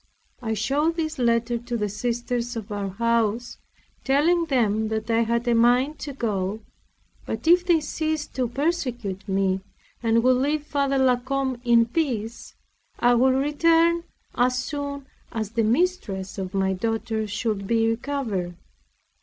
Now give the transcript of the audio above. I showed this letter to the sisters of our house, telling them that I had a mind to go; but if they ceased to persecute me, and would leave Father La Combe in peace, I would return as soon as the mistress of my daughter should be recovered.